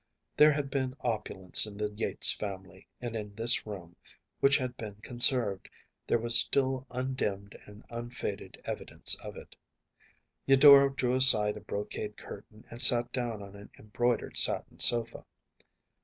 There had been opulence in the Yates family; and in this room, which had been conserved, there was still undimmed and unfaded evidence of it. Eudora drew aside a brocade curtain and sat down on an embroidered satin sofa.